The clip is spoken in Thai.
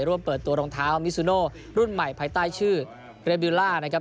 ร่วมเปิดตัวรองเท้ามิซูโน่รุ่นใหม่ภายใต้ชื่อเรบิลล่านะครับ